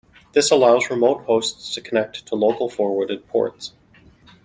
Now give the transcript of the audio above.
This allows remote hosts to connect to local forwarded ports.